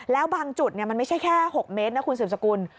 แล้วบางจุดมันไม่ใช่แค่๖เมตรนะคุณสืบสกุล